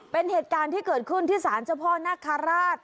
เป็นเหตุการณ์ที่เกิดขึ้นที่สารเจ้าพ่อนาคาราช